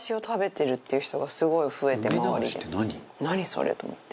それと思って。